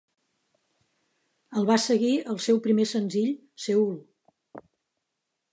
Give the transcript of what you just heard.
El va seguir el seu primer senzill, "Seül".